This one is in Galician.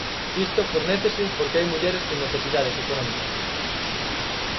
Isto fornécese porque hai mulleres con necesidades económicas.